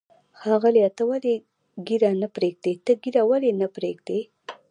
ښاغلیه، ته ولې ږیره نه پرېږدې؟ ته ږیره ولې نه پرېږدی؟